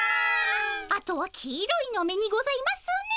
あとは黄色いのめにございますね。